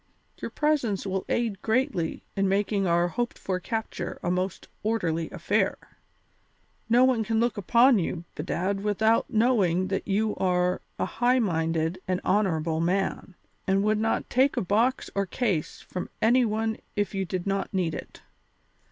Your presence will aid greatly in making our hoped for capture a most orderly affair; no one can look upon you, bedad, without knowing that you are a high minded and honourable man, and would not take a box or case from any one if you did not need it.